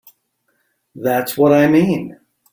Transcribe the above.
That's what I mean.